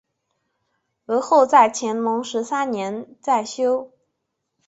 而后在乾隆十三年再修。